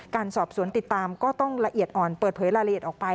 การสอบสวนติดตามก็ต้องละเอียดอ่อนเปิดเผยรายละเอียดออกไป